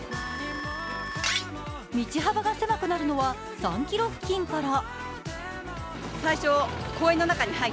道幅が狭くなるのは３ｋｍ付近から。